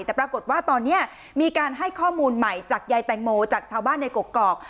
แต่ปรากฏว่าตอนนี้มีการให้ข้อมูลใหม่จากยายแตงโมจากชาวบ้านในกกอก